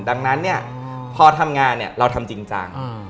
ดังนั้นพอทำงานเราทำจริง